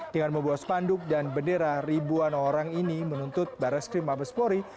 dengan membawa spanduk dan bendera ribuan orang ini menuntut barreskrim mabespori